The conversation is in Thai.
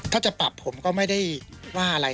ถ้าจะปรับผมก็ไม่ได้ว่าอะไร